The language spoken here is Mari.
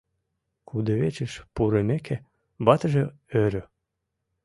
Кудывечыш пурымеке, ватыже ӧрӧ.